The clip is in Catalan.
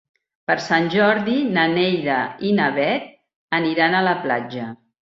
Per Sant Jordi na Neida i na Bet aniran a la platja.